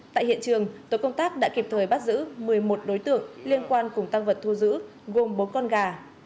tại hiện trường tổ công tác đã kịp thời bắt giữ một mươi một đối tượng liên quan cùng tăng vật thu giữ gồm bốn con gà